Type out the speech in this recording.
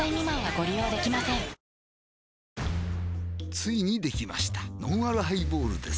ついにできましたのんあるハイボールです